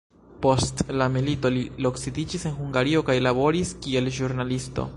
Post la milito li loksidiĝis en Hungario kaj laboris kiel ĵurnalisto.